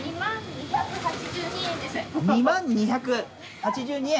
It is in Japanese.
２万２８２円。